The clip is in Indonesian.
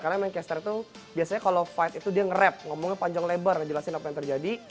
karena main caster itu biasanya kalau fight itu dia nge rap ngomongnya panjang lebar jelasin apa yang terjadi